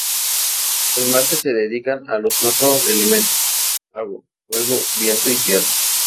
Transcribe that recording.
Los martes se dedican a los cuatro elementos: agua, fuego, viento y tierra.